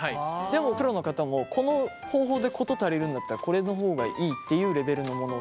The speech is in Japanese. でもプロの方もこの方法で事足りるんだったらこれの方がいいっていうレベルのもの？